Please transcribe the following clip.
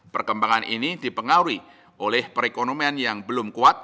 perkembangan ini dipengaruhi oleh perekonomian yang belum kuat